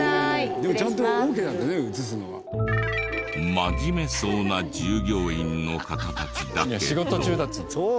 真面目そうな従業員の方たちだけど。